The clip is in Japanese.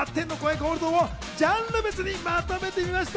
ゴールドをジャンル別にまとめてみました。